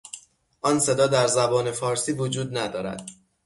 آن صدا در زبان فارسی وجود ندارد.